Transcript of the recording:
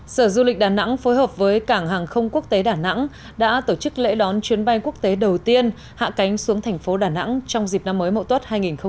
sở du lịch đà nẵng phối hợp với cảng hàng không quốc tế đà nẵng đã tổ chức lễ đón chuyến bay quốc tế đầu tiên hạ cánh xuống thành phố đà nẵng trong dịp năm mới mậu tuất hai nghìn hai mươi